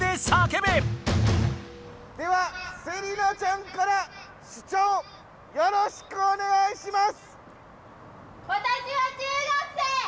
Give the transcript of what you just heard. ではセリナちゃんから主張よろしくおねがいします！